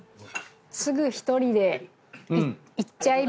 「すぐ１人で行っちゃいます」